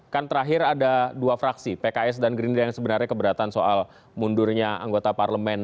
kan terakhir ada dua fraksi pks dan gerindra yang sebenarnya keberatan soal mundurnya anggota parlemen